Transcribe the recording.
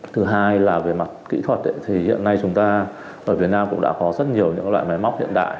thứ hai là về mặt kỹ thuật thì hiện nay chúng ta ở việt nam cũng đã có rất nhiều những loại máy móc hiện đại